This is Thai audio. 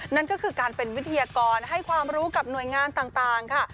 นั่นก็คือการเป็นวิทยากรให้ความรู้กับหน่วยงานต่างค่ะ